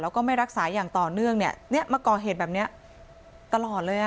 แล้วก็ไม่รักษาอย่างต่อเนื่องเนี่ยมาก่อเหตุแบบนี้ตลอดเลยอ่ะ